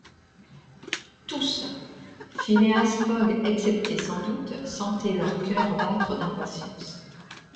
Tous — Phileas Fogg excepté sans doute — sentaient leur cœur battre d’impatience.